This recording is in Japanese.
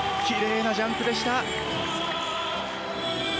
きれいなジャンプでした。